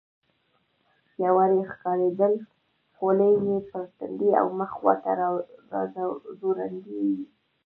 پیاوړي ښکارېدل، خولۍ یې پر تندي او مخ خواته راځوړندې وې.